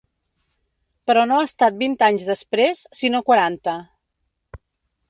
Però no ha estat vint anys després, sinó quaranta.